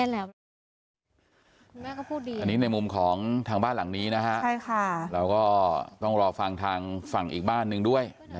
แล้วแก้แล้ว